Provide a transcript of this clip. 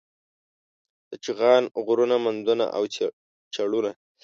د چغان غرونه، مندونه او چړونه